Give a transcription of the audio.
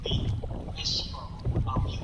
تعليم د هر انسان فطري حق دی.